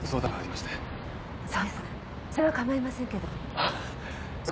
それは構いませんけど。